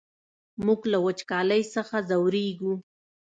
موږ له وچکالۍ څخه ځوريږو!